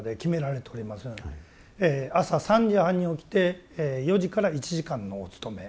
朝３時半に起きて４時から１時間のお勤め。